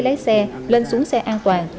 lái xe lên xuống xe an toàn